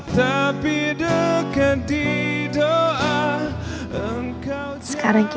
tapi dekat di doa